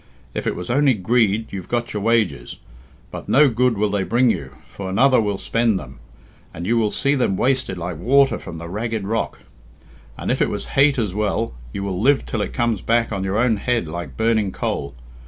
If it was only greed, you've got your wages; but no good will they bring to you, for another will spend them, and you will see them wasted like water from the ragged rock. And if it was hate as well, you will live till it comes back on your own head like burning coal.